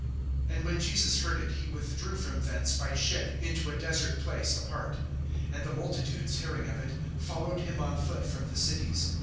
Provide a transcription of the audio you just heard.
(13)And when Jesus heard it, he withdrew from thence by ship, into a desert place apart. And the multitudes hearing of it, followed him on foot from the cities.